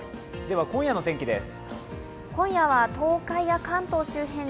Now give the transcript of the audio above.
今夜の天気です。